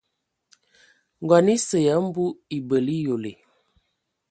Ngɔn esə ya mbu ebələ eyole.